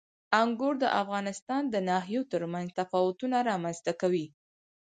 انګور د افغانستان د ناحیو ترمنځ تفاوتونه رامنځ ته کوي.